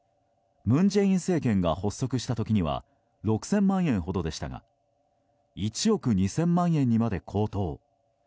文在寅政権が発足した時には６０００万円ほどでしたが１億２０００万円まで高騰。